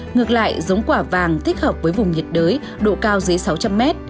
ngược lại giống quả vàng thích hợp với vùng nhiệt đới độ cao dưới sáu trăm linh mét